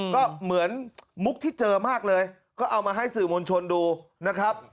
ก็เหมือนมุกที่เจอมากเลยก็เอามาให้สื่อมวลชนดูนะครับ